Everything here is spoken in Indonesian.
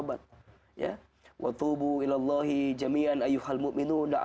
maka dalam al quran kita diperintahkan bahwa allah swt berkata